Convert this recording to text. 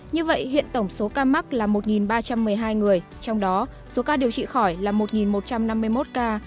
như vậy hiện tổng số ca mắc là một ba trăm một mươi hai người trong đó số ca điều trị khỏi là một một trăm năm mươi một ca